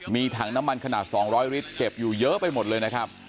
มีถังน้ำมันขนาด๒๐๐ลิตรเก็บอยู่เยอะไปหมดเลยนะครับ